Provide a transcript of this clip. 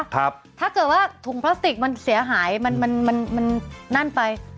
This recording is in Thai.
ถ้าเกิดว่าถุงพลาสติกมันเสียหายมันมันนั่นไป